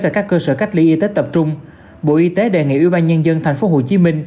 tại các cơ sở cách ly y tế tập trung bộ y tế đề nghị ủy ban nhân dân tp hcm